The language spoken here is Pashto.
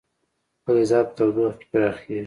فلزات په تودوخه کې پراخېږي.